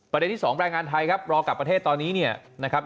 ที่๒แรงงานไทยครับรอกลับประเทศตอนนี้เนี่ยนะครับ